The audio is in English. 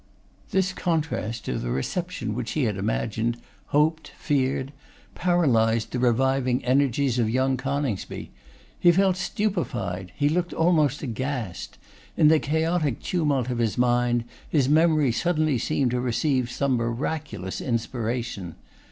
This contrast to the reception which he had imagined, hoped, feared, paralysed the reviving energies of young Coningsby. He felt stupefied; he looked almost aghast. In the chaotic tumult of his mind, his memory suddenly seemed to receive some miraculous inspiration.